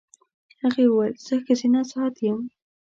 هغې وویل زه ښځینه ذات یم.